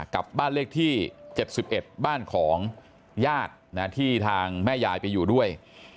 กับบ้านเลขที่๗๑บ้านของญาติที่ทางแม่ยายไปอยู่ด้วย